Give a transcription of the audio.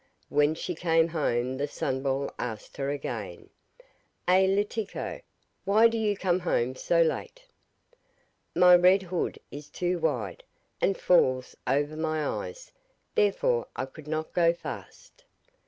When she came home the Sunball asked her again: 'Eh, Letiko, why do you come home so late?' 'My red hood is too wide, and falls over my eyes, therefore I could not go fast.